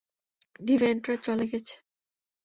ডিভিয়েন্টরা চলে গেছে।